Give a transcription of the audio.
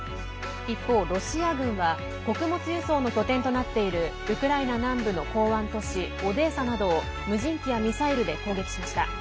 一方、ロシア軍は穀物輸送の拠点となっているウクライナ南部の港湾都市オデーサなどを無人機やミサイルで攻撃しました。